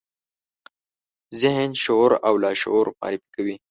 ذهن، شعور او لاشعور معرفي کوي.